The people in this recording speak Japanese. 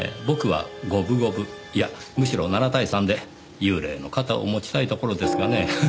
僕は五分五分いやむしろ７対３で幽霊の肩を持ちたいところですがねぇ。